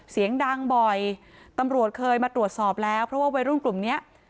เสียงดังบ่อยตำรวจเคยมาตรวจสอบแล้วเพราะว่าวัยรุ่นกลุ่มเนี้ย